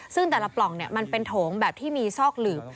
ซึ่งแต่ละปล่องมันเป็นโถงแบบที่มีซอกหลืบ